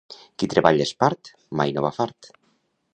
Qui treballa l'espart mai no va fart.